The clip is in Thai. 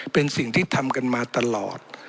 เป็นสิ่งที่ทำกันมาตลอด